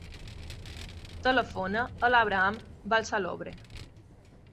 Telefona a l'Abraham Balsalobre.